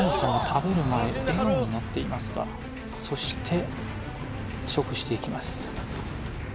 食べる前笑顔になっていますがそして食していきます